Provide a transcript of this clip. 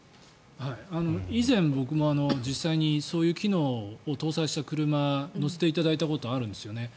以前、僕も実際にそういう機能を搭載した車に乗せていただいたことがあるんですよね。